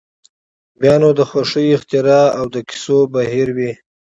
بیا نو د خوښیو اختر او د کیسو بهیر وي.